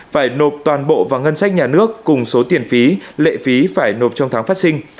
phải nộp toàn bộ vào ngân sách nhà nước cùng số tiền phí lệ phí phải nộp trong tháng phát sinh